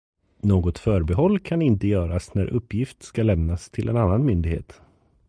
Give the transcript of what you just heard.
Något förbehåll kan inte göras när uppgift ska lämnas till en annan myndighet.